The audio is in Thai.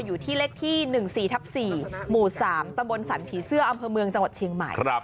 อยู่ที่เลขที่๑๔ทับ๔หมู่๓ตำบลสรรผีเสื้ออำเภอเมืองจังหวัดเชียงใหม่